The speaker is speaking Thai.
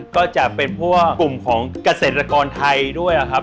ก็จะเป็นเพราะว่ากลุ่มของเกษตรกรไทยด้วยครับ